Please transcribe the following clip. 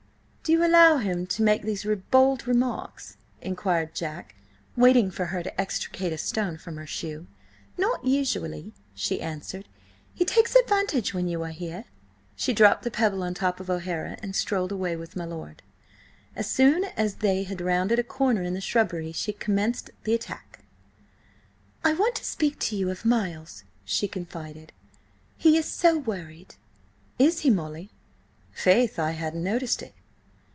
"Do you allow him to make these ribald remarks?" inquired Jack, waiting for her to extricate a stone from her shoe. "Not usually," she answered. "He takes advantage when you are here." She dropped the pebble on top of O'Hara and strolled away with my lord. As soon as they had rounded a corner in the shrubbery, she commenced the attack. "I want to speak to you of Miles," she confided. "He is so worried." "Is he, Molly? Faith, I hadn't noticed it!"